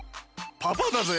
パパだぜ。